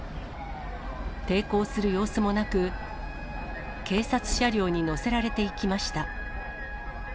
抵抗する様子もなく、警察車両に乗せられていきました。